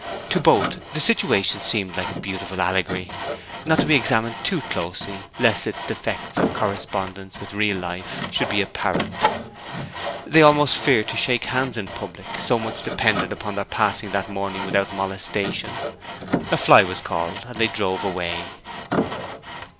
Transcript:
To both the situation seemed like a beautiful allegory, not to be examined too closely, lest its defects of correspondence with real life should be apparent. They almost feared to shake hands in public, so much depended upon their passing that morning without molestation. A fly was called and they drove away.